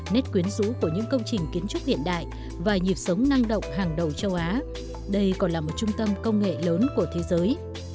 nét quyến rũ của những công trình kiến trúc hiện đại và nhịp sống năng động hàng đầu châu á đây còn là một trung tâm công nghệ lớn của thế giới